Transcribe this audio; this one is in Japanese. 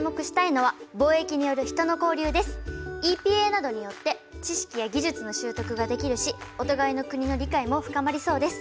ＥＰＡなどによって知識や技術の習得ができるしお互いの国の理解も深まりそうです。